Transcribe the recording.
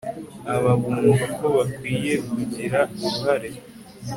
aba bumva ko bakwiye kugira uruhare